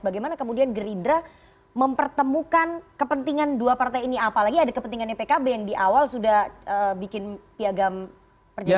bagaimana kemudian gerindra mempertemukan kepentingan dua partai ini apalagi ada kepentingannya pkb yang di awal sudah bikin piagam perjuangan